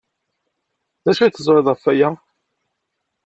D acu ay teẓriḍ ɣef waya?